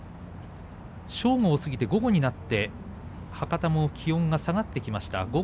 正午を過ぎて午後に入って博多も気温が下がってきました。